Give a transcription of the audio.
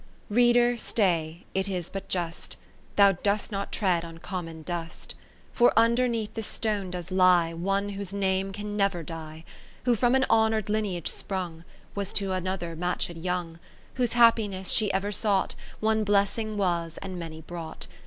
Reader, stay, it is but just ; Thou dost not tread on common dust. For underneath this stone does lie One whose name can never die : Who from an honour'd lineage sprung, Was to another matched young ; Whose happiness she ever sought ; One blessing was, and many brought.